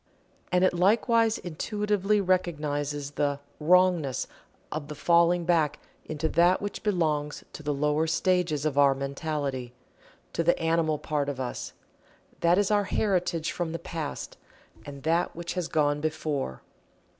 And it likewise intuitively recognizes the "Wrongness" of the falling back into that which belongs to the lower stages of our mentality to the animal part of us, that is our heritage from the past and that which has gone before.